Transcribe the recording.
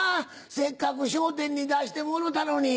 せっかく『笑点』に出してもろたのに。